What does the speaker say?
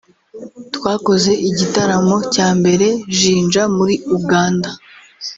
twakoze igitaramo cya mbere Jinja muri Uganda